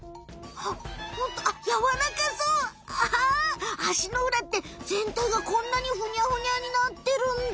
あ足のうらってぜんたいがこんなにふにゃふにゃになってるんだ。